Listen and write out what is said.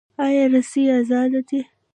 آیا رسنۍ ازادې دي؟